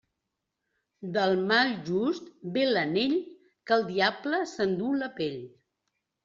De maljust ve l'anyell, que el diable s'enduu la pell.